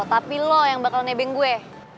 tapi lo yang bakal nebeng gue